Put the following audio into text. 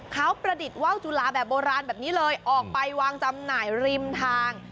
เขาประดิษฐ์ว่าวจุลาแบบโบราณแบบนี้เลยออกไปวางจำหน่ายริมทาง